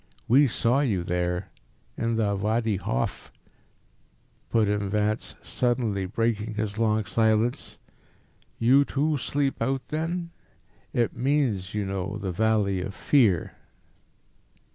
"We saw you there in the Wadi Hof," put in Vance, suddenly breaking his long silence; "you too sleep out, then? It means, you know, the Valley of Fear."